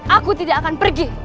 aku tidak akan pergi